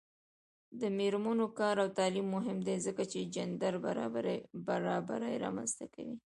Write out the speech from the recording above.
د میرمنو کار او تعلیم مهم دی ځکه چې جنډر برابري رامنځته کوي.